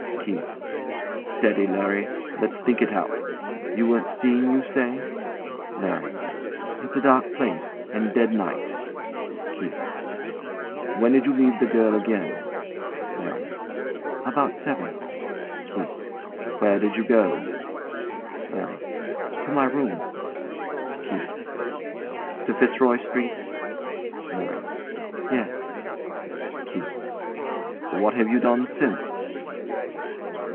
] KEITH. Steady, Larry! Let's think it out. You weren't seen, you say? LARRY. It's a dark place, and dead night. KEITH. When did you leave the girl again? LARRY. About seven. KEITH. Where did you go? LARRY. To my rooms. KEITH. To Fitzroy Street? LARRY. Yes. KEITH. What have you done since?